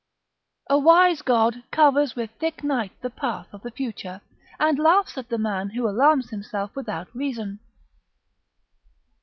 ["A wise God covers with thick night the path of the future, and laughs at the man who alarms himself without reason."